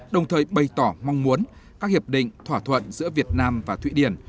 đồng thời bày tỏ mong muốn các hiệp định thỏa thuận giữa việt nam và thụy điển